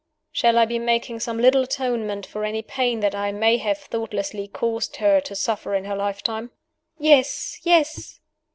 "Shall I be making some little atonement for any pain that I may have thoughtlessly caused her to suffer in her lifetime?" "Yes! yes!"